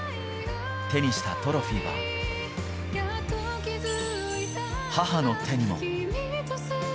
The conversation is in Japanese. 手にしたトロフィーは、母の手にも。